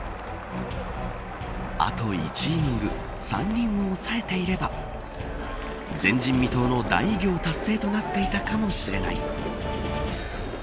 あと１イニング３人を押さえていれば前人未到の大偉業達成となっていたかもしれない。